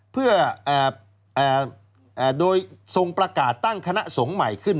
เพื่อโดยทรงประกาศตั้งคณะสงฆ์ใหม่ขึ้น